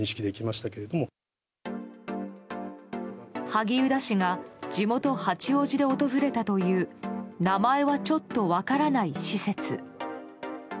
萩生田氏が地元・八王子で訪れたという名前はちょっと分からない施設。